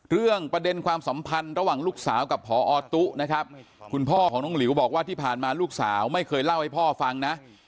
เรื่องประเด็นความสัมพันธ์ระหว่างลูกสาวกับพอตุ๊นะครับคุณพ่อของน้องหลิวบอกว่าที่ผ่านมาลูกสาวไม่เคยเล่าให้พ่อฟังนะ